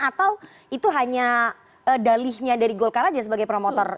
atau itu hanya dalihnya dari golkar aja sebagai promotor